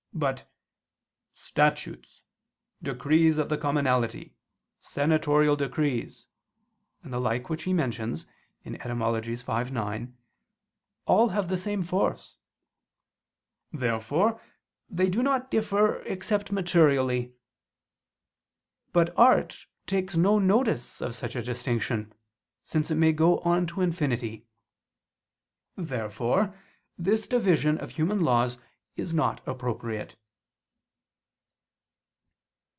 But "statutes, decrees of the commonalty, senatorial decrees," and the like which he mentions (Etym. v, 9), all have the same force. Therefore they do not differ, except materially. But art takes no notice of such a distinction: since it may go on to infinity. Therefore this division of human laws is not appropriate.